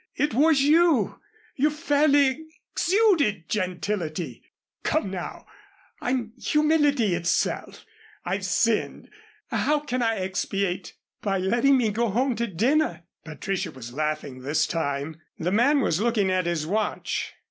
It was you! You fairly exuded gentility. Come now, I'm humility itself. I've sinned. How can I expiate?" "By letting me go home to dinner." Patricia was laughing this time. The man was looking at his watch.